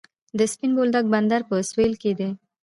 د سپین بولدک بندر په سویل کې دی